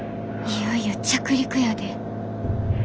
いよいよ着陸やで。